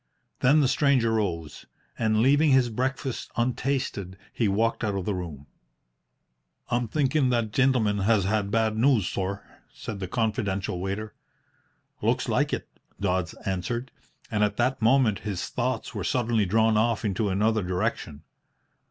Then the stranger rose, and, leaving his breakfast untasted, he walked out of the room. "I'm thinkin' that the gintleman has had bad news, sorr," said the confidential waiter. "Looks like it," Dodds answered; and at that moment his thoughts were suddenly drawn off into another direction.